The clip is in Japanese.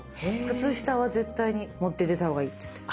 靴下は絶対に持って出た方がいいっつって。